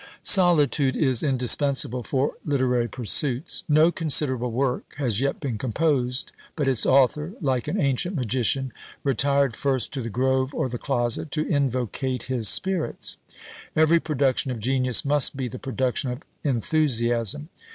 Solitude is indispensable for literary pursuits. No considerable work has yet been composed, but its author, like an ancient magician, retired first to the grove or the closet, to invocate his spirits. Every production of genius must be the production of enthusiasm.